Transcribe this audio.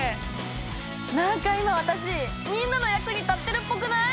何か今私みんなの役に立ってるっぽくない？